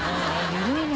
緩いね